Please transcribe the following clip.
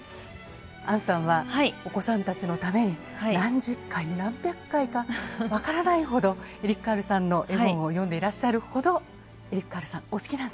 杏さんはお子さんたちのために何十回何百回か分からないほどエリック・カールさんの絵本を読んでいらっしゃるほどエリック・カールさんお好きなんですね？